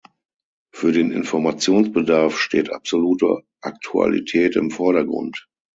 Für den Informationsbedarf steht absolute Aktualität im Vordergrund.